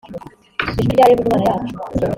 ijwi rya yehova imana yacu